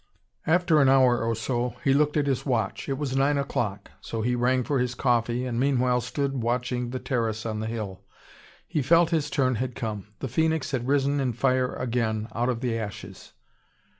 After an hour or so, he looked at his watch. It was nine o'clock. So he rang for his coffee, and meanwhile still stood watching the terrace on the hill. He felt his turn had come. The phoenix had risen in fire again, out of the ashes.